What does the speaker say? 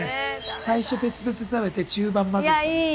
最初別々に食べて中盤混ぜて食べる。